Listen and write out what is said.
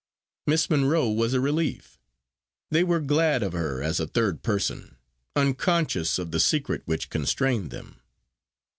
Miss Monro was a relief; they were glad of her as a third person, unconscious of the secret which constrained them.